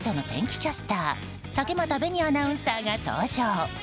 キャスター竹俣紅アナウンサーが登場。